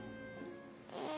うん。